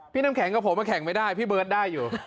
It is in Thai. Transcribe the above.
น้ำแข็งกับผมแข่งไม่ได้พี่เบิร์ตได้อยู่